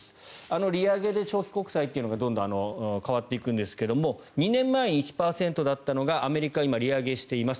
利上げで長期国債というのがどんどん変わっていくんですが２年前に１％だったのがアメリカは今利上げしています。